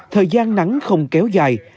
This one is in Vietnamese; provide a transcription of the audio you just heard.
thời gian nắng không kéo dài